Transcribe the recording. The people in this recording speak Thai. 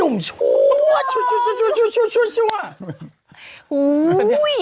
นุ่มชัวร์ชัวร์